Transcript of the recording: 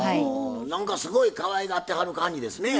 何かすごいかわいがってはる感じですねぇ。